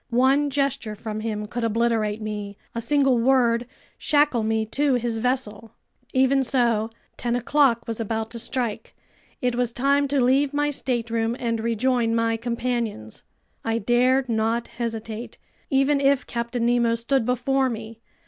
One gesture from him could obliterate me, a single word shackle me to his vessel! Even so, ten o'clock was about to strike. It was time to leave my stateroom and rejoin my companions. I dared not hesitate, even if Captain Nemo stood before me.